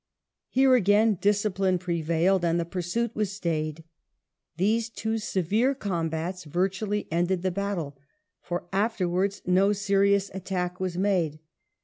Here again discipline prevailed, and the pursuit was stayed. These two severe combats virtually ended the battle, for afterwards no serious attack was made.